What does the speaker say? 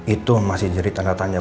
itu masih jadi tanda tanya